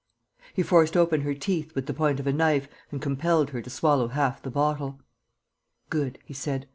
He forced open her teeth with the point of a knife and compelled her to swallow half the bottle: "Good," he said.